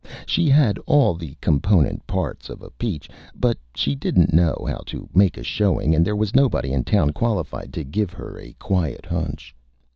She had all the component Parts of a Peach, but she didn't know how to make a Showing, and there was nobody in Town qualified to give her a quiet Hunch.